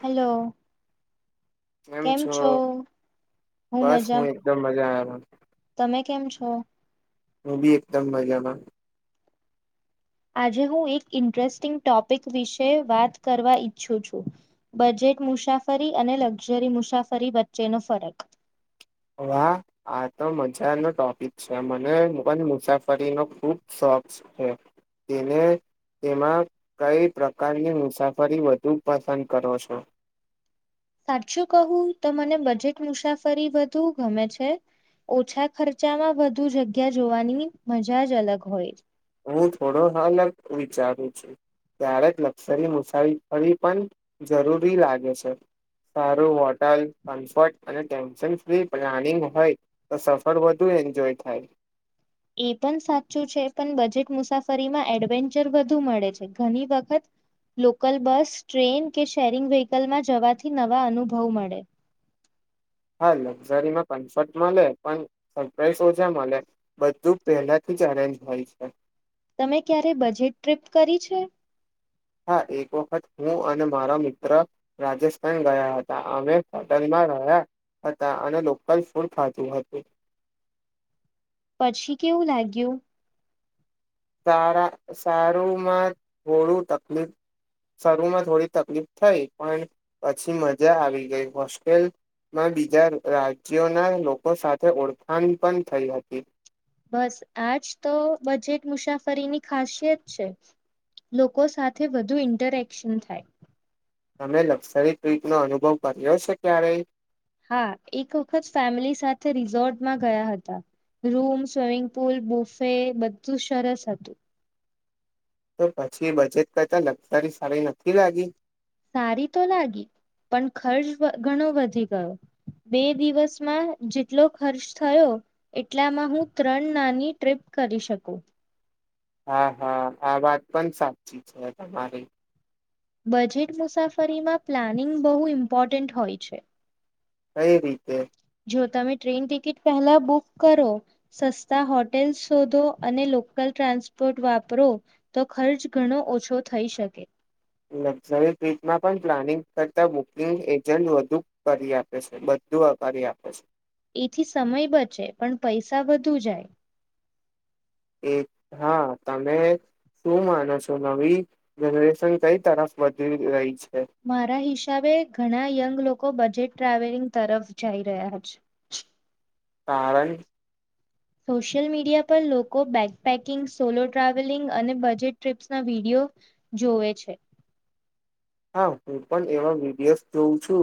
Hello કેમ છો બસ મજા હું એકદમ મજામાં [inaudible] તમે કેમ છો હું ભી એકદમ મજામાં આજે હું એક ઇન્ટરેસ્ટિંગ ટોપિક વિશે વાત કરવા ઈચ્છું છું બજેટ મુસાફરી અને લક્ઝરી મુસાફરી વચ્ચેનો ફરક વાહ આ તો મજાનો ટોપિક છે મને [unintelligible] મુસાફરીનો ખૂબ શોખ છે તેને તેમાં કઈ પ્રકારની મુસાફરી વધુ પસંદ કરો છો સાચું કહું તો મને બજેટ મુસાફરી વધુ ગમે છે ઓછા ખર્ચામાં વધુ જગ્યા જોવાની મજા જ અલગ હોય હું થોડો અલગ વિચારું છું ક્યારેક લક્સરી મુસાફરી પણ જરૂરી લાગે છે સારું હોટલ કમ્ફર્ટ અને ટેન્શન ફ્રી પ્લાનિંગ હોય તો સફર વધુ એન્જોય થાય એ પણ સાચું છે પણ બજેટ મુસાફરીમાં એડવેન્ચર વધુ મળે છે ઘણી વખત લોકલ બસ ટ્રેન કે શેરિંગ વ્હીકલમાં જવાથી નવા અનુભવ મળે હા લક્ઝરીમાં કમ્ફર્ટ મલે પન સરપ્રાઈઝ ઓજા મળે બધું પહેલાથી જ અરેન્જ હોય છે તમે ક્યારે બજેટ ટ્રીપ કરી છે હા એક વખત હું અને મારા મિત્ર રાજેસ્થાન ગયા હતા અમે હોટલમાં રહ્યા હતા અને લોકલ ફૂડ ખાધું હતું પછી કેવું લાગ્યું સારા સારુંમાં થોડું તકલીફ શરુમાં થોડી તકલીફ થઈ, પણ પછી મજા આવી ગઈ, હોસ્ટેલ માં બીજા રાજ્યના લોકો સાથે ઓળખાણ પણ થઈ હતી. બસ આજ તો બજેટ મુસાફરીની ખાસિયત છે, લોકો સાથે વધુ ઇન્ટરેક્શન થાય. તમે લક્સરી ટ્રીપ નો અનુભવ કર્યો છે ક્યારેય? હા, એક વખત ફેમલી સાથે રિઝોર્ટમાં ગયા હતા, રૂમ સ્વિમિંગ પુલ બુફે બધું સરસ હતું. તો પછી બજેટ કરતા લગજરી સારી નતી લાગી. સારી તો લાગી પણ ખર્ચ ઘણો વધી ગયો, બે દિવસમાં જેટલો ખર્ચ થયો, એટલામાં હું ત્રણ નાની ટ્રીપ કરી શકું. હા હા આ વાત પણ સાચી છે તમારી. બજેટ મુસાફરીમાં પ્લાનિંગ બહુ ઇમ્પોર્ટન્ટ હોય છે. કઈ રીતે? જો તમે ટ્રેન ટિકિટ પહેલા બુક કરો, સસ્તા હોટેલ શોધો અને લોકલ ટ્રાન્સપોર્ટ વાપરો, તો ખર્ચ ઘણો ઓછો થઈ શકે. લક્ઝરી ટ્રીપમાં પણ પ્લાનિંગ કરતા બુકિંગ એજન્ટ વધુ કરી આપે છે, બધું કરી આપે છે. એથી સમય બચે પણ પૈસા વધુ જાય. એ હા તમે શું માનો છો નવી જનરેશન કઈ તરફ વધી રહી છે. મારા હિસાબે ઘણા યંગ લોક કો બજેટ ટ્રાવેલિંગ તરફ જઈ રહ્યા છે. કારણ. સોશિયલ મીડિયા પર લોકો બેકપેકિંગ, સોલો ટ્રાવેલિંગ અને બજેટ ટ્રીપ્સના વીડિયો જોવે છે. હા, હું પણ એવા વિડિયોઝ જોઉં છું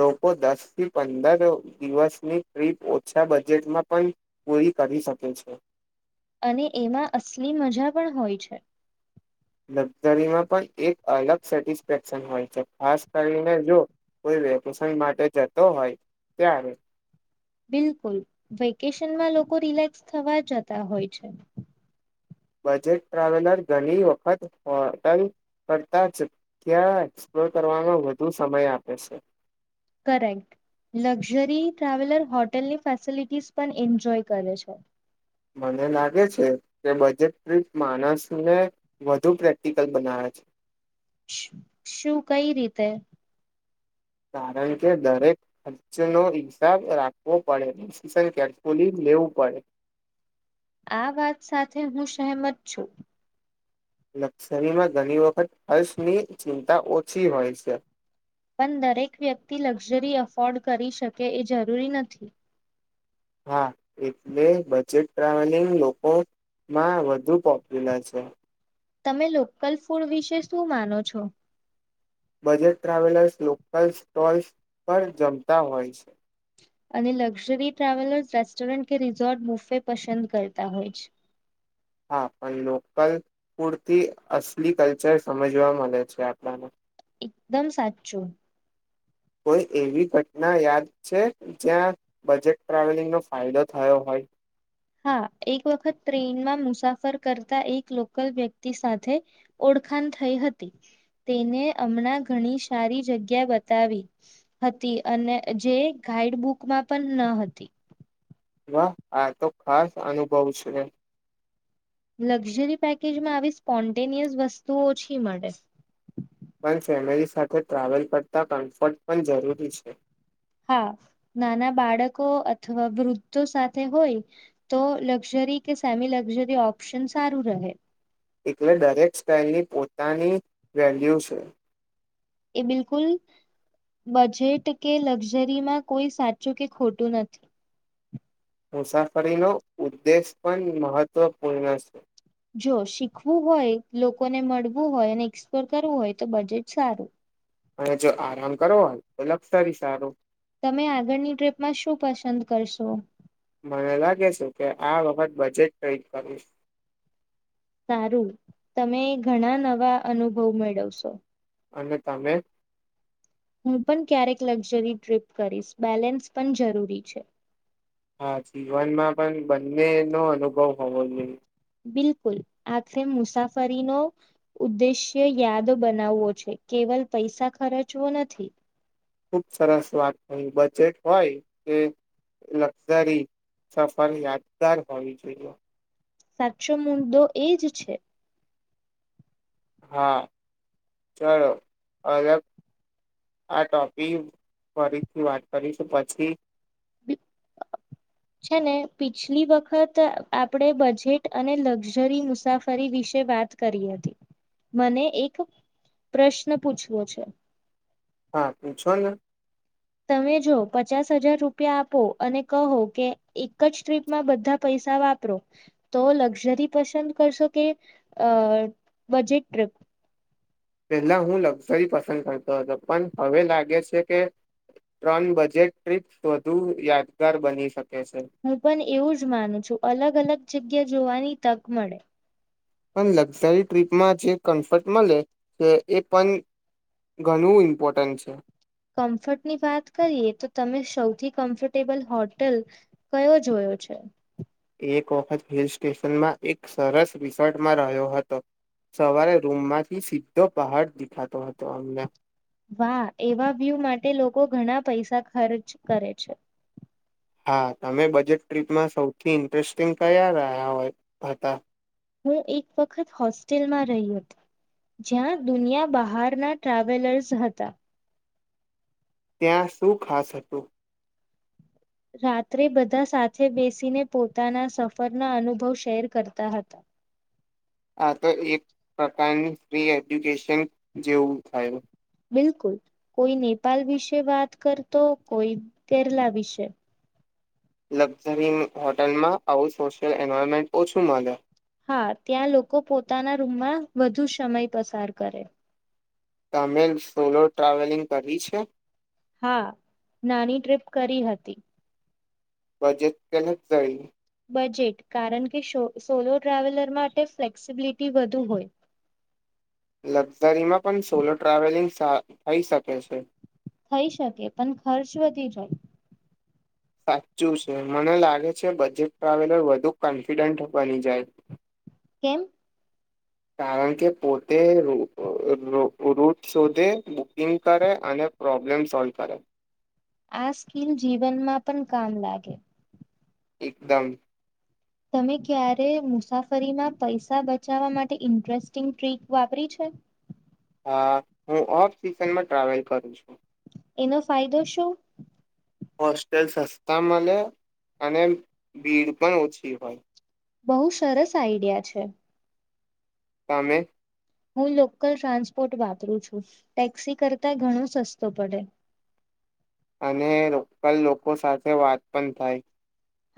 લોકો દસ થી પંદર દિવસની ટ્રીપ ઓછા બજેટમાં પણ પૂરી કરી શકે છે. અને એમાં અસલી મજા પણ હોય છે. લક્ઝરીમાં પણ એક અલગ સેટિસફેક્શન હોય છે, ખાસ કરીને જો કોઈ વેકેશન માટે જતો હોય ત્યારે બિલકુલ વેકેશનમાં લોકો રિલેક્સ થવા જતા હોય છે. બજેટ ટ્રાવેલર ઘણી વખત હોટલ કરતા જગ્યા એક્સપ્લોર કરવાનો વધુ સમય આપે છે. કરેક્ટ લક્ઝરી ટ્રાવેલર હોટેલની ફેસિલિટીઝ પન એન્જોય કરે છે. મને લાગે છે કે બજેટ ટ્રીપ માણસને વધુ પ્રેક્ટિકલ બનાવે છે. [unintelligible] શું કઈ રીતે? કારણ કે દરેક ખર્ચનો હિસાબ રાખવો પડે ડિસિશન કેરફુલી લેવું પડે. આ વાત સાથે હું સેહમત છું. લક્સરીમાં ઘણી વખત ખર્ચની ચિંતા ઓછી હોય છે. પણ દરેક વ્યક્તિ લક્ઝરી અફોર્ડ કરી શકે એ જરૂરી નથી. હા, એટલે બજેટ ટ્રાવેલિંગ લોકોમાં વધુ પોપ્યુલર છે. તમે લોકલ ફૂડ વિશે શું માનો છો? બજેટ ટ્રાવેલર્સ લોકલ સ્ટોલ્સ પર જમતા હોય છે. અને લક્ઝરી ટ્રાવેલર્સ રેસ્ટોરન્ટ કે રિઝોર્ટ બૂફે પસંદ કરતા હોય છે. હા, પણ લોકલ ફૂડથી અસલી કલ્ચર સમજવા મલે છે આપડાને. એકદમ સાચું. કોઈ એવી ઘટના યાદ છે, જ્યાં બજેટ ટ્રાવેલિંગનો ફાયદો થયો હોય. હા, એક વખત ટ્રેઈનમાં મુસાફર કરતા એક લોકલ વ્યક્તિ સાથે ઓડખાણ થઈ હતી, તેને હમણાં ઘણી સારી જગ્યા બતાવી હતી, અને જે ગાઈડ બુકમાં પણ ન હતી. વાહ, આ તો ખાસ અનુભવ છે. લક્ઝરી પેકેજમાં આવી સ્પોન્ટેનિયસ વસ્તુ ઓછી મડે. પણ ફેમિલી સાથે ટ્રાવેલ કરતાં કમ્ફર્ટ પણ જરૂરી છે. હા, નાના બાડકો અથવા વૃદ્ધો સાથે હોય તો લક્ઝરી કે સેમી લક્ઝરી ઓપ્શન સારું રહે. એકલે દરેક સ્ટાઇલની પોતાની વેલ્યુ છે. એ બિલકુલ બજેટ કે લક્ઝરીમાં કોઈ સાચું કે ખોટું નથી. મુસાફરીનો ઉદ્દેશ પણ મહત્વપૂર્ણ છે. જો શીખવું હોય લોકોને મડવું હોય અને એક્સપ્લોર કરવું હોય તો બજેટ સારું. અને જો આરામ કરો હોય તો લક્ષસરી સારું. તમે આગળની ટ્રીપમાં શું પસંદ કરશો? મને લાગે છે કે આ વખત બજેટ કઈ કરવું છે. સારું, તમે ઘણા નવા અનુભવ મેડવશો અને તમે? હું પણ ક્યારેક લક્ઝરી ટ્રીપ કરીશ બેલેન્સ પન જરૂરી છે. હા જીવનમાં પણ બંને નો અનુભવ હોવો જોઈએ. બિલકુલ આખરે મુસાફરીનો ઉદ્દેશ્ય યાદ બનાવવો છે કેવલ પૈસા ખર્ચવો નથી. ખુબ સરસ વાત કહી બજેટ હોય કે લક્ઝરી સફર યાદગાર હોવી જોઈએ. સાચો મુદ્દો એ જ છે. હા ચલો અલગ આ ટોપિક ફરીથી વાત કરીશું પછી. છે ને પિછલી વખત આપણે બજેટ અને લક્ઝરી મુસાફરી વિશે વાત કરી હતી મને એક પ્રશ્ન પૂછવો છે? હા પૂછો ને? તમે જો પચાસ હજાર રૂપિયા આપો અને કહો કે એક જ ટ્રીપમાં બધા પૈસા વાપરો તો લક્ઝરી પસંદ કરશો કે અ બજેટ ટ્રીપ? પેલા હું લક્ઝરી પસંદ કરતો હતો પણ હવે લાગે છે કે ત્રણ બજેટ ટ્રીપ વધુ યાદગાર બની શકે છે હું પણ એવું જ માનું છું અલગ અલગ જ ગ્યા જોવાની તક મળે. પણ લક્ઝરી ટ્રીપમાં જે કમ્ફર્ટ મળે છે એ પણ ઘણું ઇમ્પોર્ટન્ટ છે. કમ્ફર્ટની વાત કરીએ તો તમે સૌથી કમ્ફર્ટેબલ હોટેલ કયો જોયો છે? એક વખત હિલ સ્ટેશનમાં એક સરસ રિસોર્ટમાં રહ્યો હતો સવારે રૂમમાંથી સીધો પહાડ દિખાતો હતો અમને. વાહ એવા વ્યૂ માટે લોકો ઘણા પૈસા ખર્ચ કરે છે. આ તમે બજેટ ટ્રીપમાં સૌથી ઇન્ટરેસ્ટિંગ કયા રહ્યા હોય હતા? હું એક વખત હોસ્ટેલમાં રહી હતી જ્યાં દુનિયા બહારના ટ્રાવેલર્સ હતા. ત્યાં શું ખાસ હતું? રાત્રે બધા સાથે બેસીને પોતાના સફરના અનુભવ શેર કરતા હતા. આ તો એક પ્રકારની ફ્રી એજ્યુકેશન જેવું થયું. બિલકુલ કોઈ નેપાલ વિશે વાત કરતો કોઈ કેરલા વિશે. લક્ઝરી હોટલમાં આવું સોશિયલ એન્વાયરમેન્ટ ઓછું મળે. હા ત્યાં લોકો પોતાના રૂમમાં વધુ સમય પસાર કરે. તમે સોલો ટ્રાવેલિંગ કરી છે? હા નાની ટ્ર્રીપ કરી હતી. બજેટ તને થઈ? બજેટ કારણ કે સો સોલો ટ્રાવેલર માટે ફ્લેક્સિબિલિટી વધુ હોય. લક્ઝરીમાં પણ સોલો ટ્રાવેલિંગ સા થઈ શકે છે. થઈ શકે પણ ખર્ચ વધી જાય. સાચું છે મને લાગે છે બજેટ ટ્રાવેલર વધુ કોન્ફિડન્ટ બની જાય. કેમ? કારણ કે પોતે રૂટ શોધે બુકિંગ કરે અને પ્રોબ્લેમ સોલ્વ કરે. આ સ્કીલ જીવનમાં પણ કામ લાગે. એકદમ. તમે ક્યારે મુસાફરીમાં પૈસા બચાવવા માટે ઇન્ટરેસ્ટિંગ ટ્રીક વાપરી છે? હા હું ઓફ સિઝનમાં ટ્રાવેલ કરું છું. એનો ફાયદો શું? હોસ્ટેલ સસ્તા મલે અને ભીડ પણ ઓછી હોય. બહુ સરસ આઈડિયા છે. તમે? હું લોકલ ટ્રાન્સપોર્ટ વાપરું છું ટેક્સી કરતા ઘણો સસ્તો પડે. અને લોકલ લોકો સાથે વાત પણ થાય.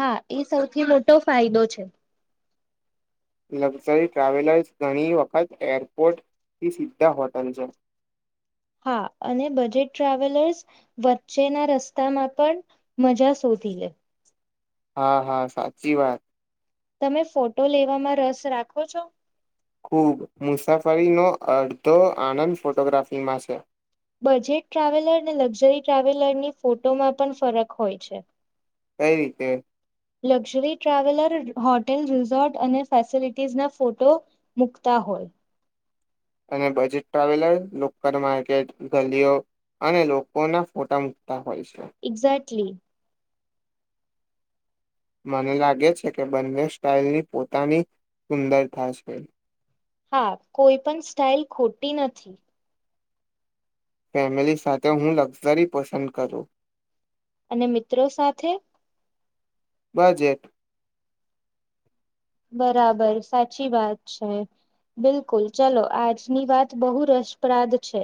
હા એ સૌથી મોટો ફાયદો છે. લક્ઝરી ટ્રાવેલર્સ ઘણી વખત એરપોર્ટથી સીધા હોટલ છે. હા અને બજેટ ટ્રાવેલર્સ વચ્ચેના રસ્તામાં પણ મજા શોધી લે. હા હા સાચી વાત. તમે ફોટો લેવામાં રસ રાખો છો? ખુબ મુસાફ ફરીનો અડધો આનંદ ફોટોગ્રાફીમાં છે. બજેટ ટ્રાવેલર ને લક્ઝરી ટ્રાવેલરની ફોટોમાં પણ ફરક હોય છે. કઈ રીતે? લક્ઝરી ટ્રાવેલર હોટેલ રિસોર્ટ અને ફેસિલિટીઝ ના ફોટો, મૂકતા હોય. અને બજેટ ટ્રાવેલર લોકલ માર્કેટ, ગલીઓ અને લોકો ના ફોટા મુકતા હોય છે. એક્ઝેક્ટ. લી. મને લાગે છે કે બંને સ્ટાઇલની પોતાની સુંદરતા છે. હા કોઈ પણ સ્ટાઈલ ખોટી નથી. ફેમિલી સાથે હું લક્ઝરી પસંદ કરું. અને મિત્રો સાથે? બજેટ. બરાબર સાચી વાત છે, બિલકુલ ચલો આજની વાત બહુ રસપ્રાદ છે.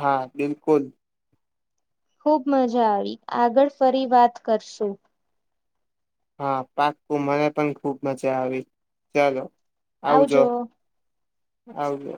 હા બિલકુલ. ખૂબ મજા આવી આગળ ફરી વાત કરશું. હા પાકું મને પણ ખૂબ મજા આવી, ચલો. આવજો. આવજો.